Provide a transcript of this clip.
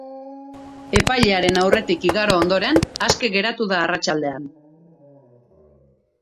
Epailearen aurretik igaro ondoren, aske geratu da arratsaldean.